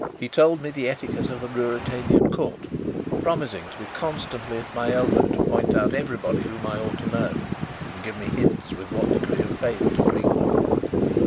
He told me the etiquette of the Ruritanian Court, promising to be constantly at my elbow to point out everybody whom I ought to know, and give me hints with what degree of favour to greet them.